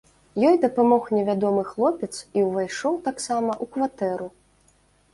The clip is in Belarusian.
Ёй дапамог невядомы хлопец і ўвайшоў таксама ў кватэру.